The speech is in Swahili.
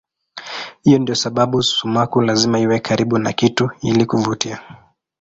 Hii ndiyo sababu sumaku lazima iwe karibu na kitu ili kuvutia.